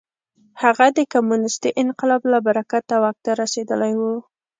هغه د کمونېستي انقلاب له برکته واک ته رسېدلی و.